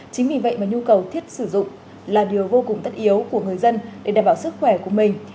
chính vì vậy mà nhu cầu thiết sử dụng là điều vô cùng tất yếu của người dân để đảm bảo sức khỏe của mình